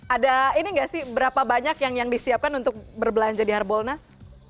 ada ini nggak sih berapa banyak yang disiapkan untuk berbelanja di harbolnas